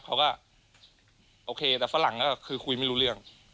เขาก็โอเคแต่ฝรั่งก็คือคุยไม่รู้เรื่อง